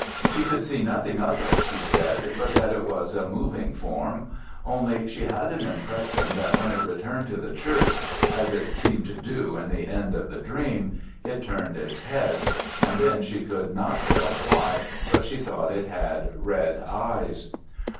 She could see nothing of it, she said, but that it was a moving form: only she had an impression that when it returned to the church, as it seemed to do in the end of the dream, it turned its head: and then, she could not tell why, but she thought it had red eyes.